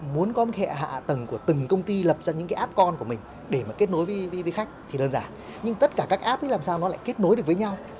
muốn có một hệ hạ tầng của từng công ty lập ra những app con của mình để kết nối với khách thì đơn giản nhưng tất cả các app làm sao lại kết nối được với nhau